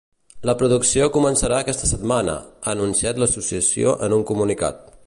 La producció començarà aquesta setmana, ha anunciat l’associació en un comunicat.